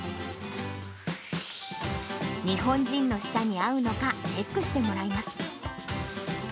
日本人の舌に合うのか、チェックしてもらいます。